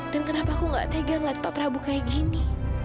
dan kenapa aku nggak tegang lihat pak prabu kayak gini